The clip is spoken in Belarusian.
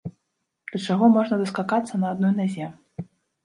Да чаго можна даскакацца на адной назе?